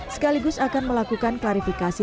sekaligus akan melakukan klarifikasi